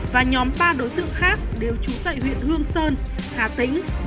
và nhóm ba đối tượng khác đều trú tại huyện hương sơn hà tĩnh